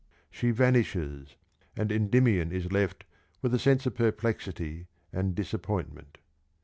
She vanishes, and Endymion is left with a sense of perplexity and disappointment.